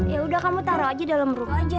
ya udah kamu taro aja dalam rumah